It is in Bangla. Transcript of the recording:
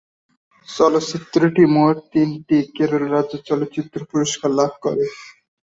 চলচ্চিত্রটি মোট তিনটি কেরল রাজ্য চলচ্চিত্র পুরস্কার লাভ করে।